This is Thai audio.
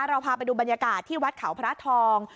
เราพาไปดูบรรยากาศที่วัดเขาพระทอง